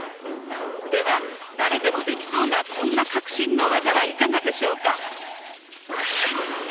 では誰でもできそうなこんな革新の技はいかがでしょうか？